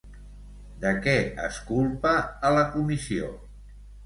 De què es culpa a la comissió?